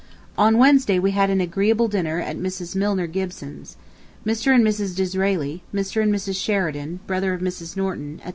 .. On Wednesday we had an agreeable dinner at Mrs. Milner Gibson's. Mr. and Mrs. Disraeli, Mr. and Mrs. Sheridan (brother of Mrs. Norton), etc.